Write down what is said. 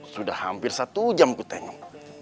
sudah hampir satu jam ku tengok